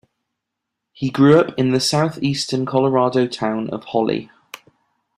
He grew up in the southeastern Colorado town of Holly.